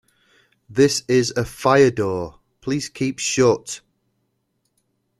This is a Fire door, please keep shut.